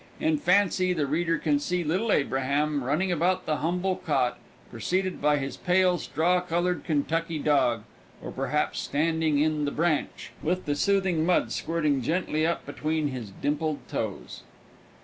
In fancy, the reader can see little Abraham running about the humble cot, preceded by his pale, straw colored Kentucky dog, or perhaps standing in "the branch," with the soothing mud squirting gently up between his dimpled toes.